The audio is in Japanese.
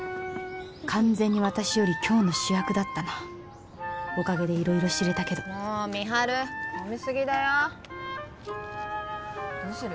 完全に私より今日の主役だったなおかげで色々知れたけどもう美晴飲みすぎだよどうする？